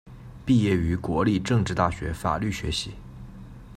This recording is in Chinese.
毕业于国立政治大学法律学系。